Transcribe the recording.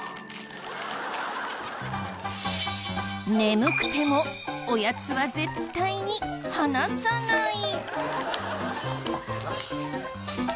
眠くてもおやつは絶対に離さない。